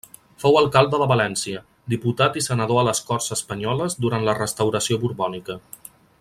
Fou alcalde de València, diputat i senador a les Corts Espanyoles durant la restauració borbònica.